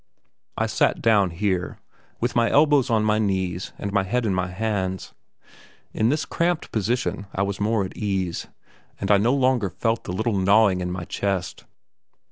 I sat down here, with my elbows on my knees and my head in my hands. In this cramped position I was more at ease, and I no longer felt the little gnawing in my chest.